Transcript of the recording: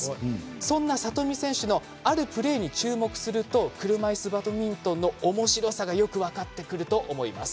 そんな里見選手のあるプレーに注目すると車いすバドミントンのおもしろさがよく分かってくると思います。